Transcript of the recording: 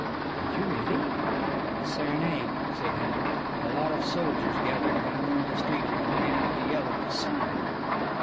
"Did you really?" "A serenade," said Henry. "A lot of soldiers gathered down there in the street and began to yell at the sign."